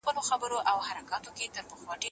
استازي له اوږدې مودې راهيسې د خلګو استازيتوب کوي.